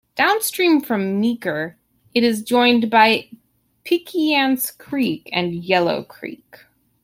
Downstream from Meeker, it is joined by Piceance Creek and Yellow Creek.